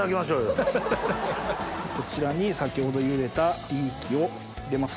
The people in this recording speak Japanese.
こちらに先ほどゆでたリーキを入れます。